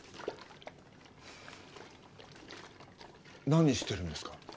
何してるんですか？